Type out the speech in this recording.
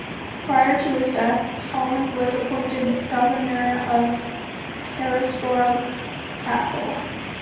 Prior to his death, Holland was appointed Governor of Carisbrooke Castle.